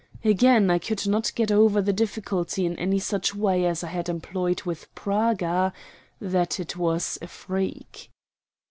Again, I could not get over the difficulty in any such way as I had employed with Praga that it was a freak.